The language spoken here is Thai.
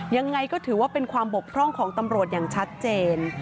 ยังไงก็ถือว่าเป็นความบกพร่องของตำรวจอย่างชัดเจน